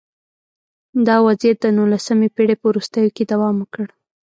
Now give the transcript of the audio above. دا وضعیت د نولسمې پېړۍ په وروستیو کې دوام وکړ